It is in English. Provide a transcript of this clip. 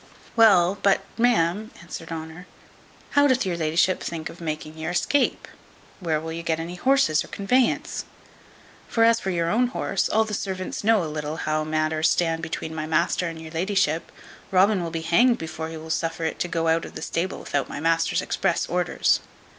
"Well, but, ma'am," answered Honour, "how doth your la'ship think of making your escape? Where will you get any horses or conveyance? For as for your own horse, as all the servants know a little how matters stand between my master and your la'ship, Robin will be hanged before he will suffer it to go out of the stable without my master's express orders."